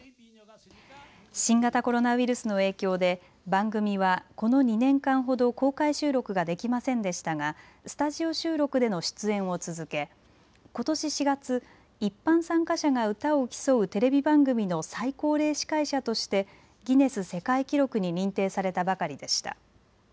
新型コロナウイルスの影響で番組はこの２年間ほど公開収録ができませんでしたがスタジオ収録での出演を続けことし４月、一般参加者が歌を競うテレビ番組の最高齢司会者としてギネス世界記録に認定されたばかりでした。